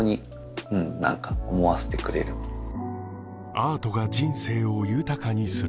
アートが人生を豊かにする